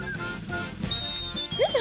よいしょ。